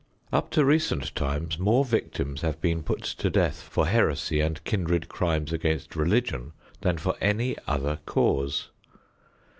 Up to recent times more victims have been put to death for heresy and kindred crimes against religion than for any other cause.